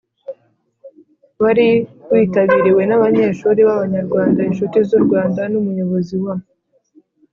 wari witabiriwe n abanyeshuri b Abanyarwanda inshuti z u Rwanda n Umuyobozi wa